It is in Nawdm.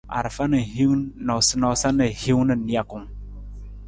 Arafa na hin noosanoosa na hiwung na nijakung.